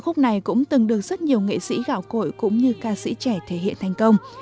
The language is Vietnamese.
khúc này cũng từng được rất nhiều nghệ sĩ gạo cội cũng như ca sĩ trẻ thể hiện thành công